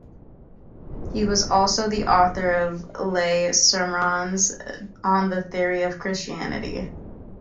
He was also the author of Lay sermons on the Theory of Christianity.